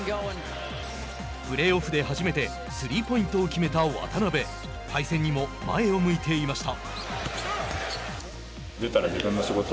プレーオフで初めてスリーポイントを決めた渡邊敗戦にも前を向いていました。